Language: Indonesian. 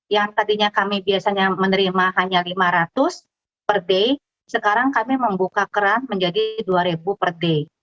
yang tadinya kami biasanya menerima hanya lima ratus per day sekarang kami membuka keran menjadi rp dua per day